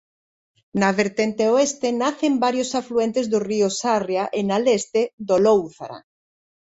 Na vertente oeste nacen varios afluentes do río Sarria e na leste do Lóuzara.